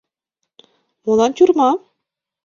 Молан тюрьма?